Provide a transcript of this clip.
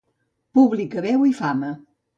Pública veu i fama.